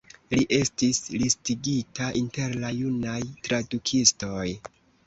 Li estis listigita inter la junaj tradukistoj.